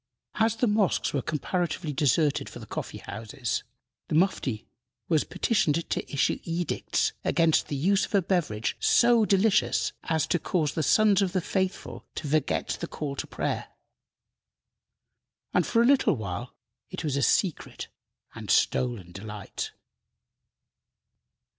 As the mosques were comparatively deserted for the coffee houses, the Mufti was petitioned to issue edicts against the use of a beverage so delicious as to cause the sons of the faithful to forget the call to prayer, and for a little while it was a secret and stolen delight.